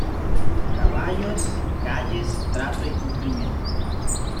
Caballos, calles, trato y cumplimiento.